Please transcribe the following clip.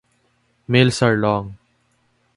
Males are long.